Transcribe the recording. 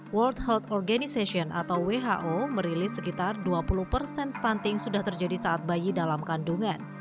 world health organization atau who merilis sekitar dua puluh persen stunting sudah terjadi saat bayi dalam kandungan